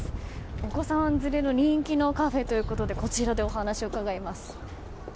お子さん連れに人気のカフェということでこちらでお話を伺います。